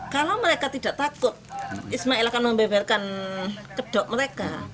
kalau mereka tidak takut ismail akan membeberkan kedok mereka